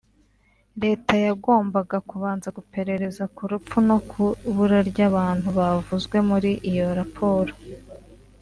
Leta yagombaga kubanza guperereza ku rupfu no ku ibura ry’abantu bavuzwe muri iyo raporo